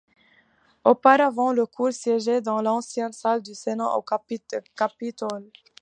Auparavant, la cour siégeait dans l'ancienne salle du Sénat au Capitole.